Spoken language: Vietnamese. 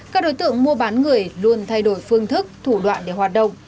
các đối tượng mua bán người luôn thay đổi phương thức thủ đoạn để hoạt động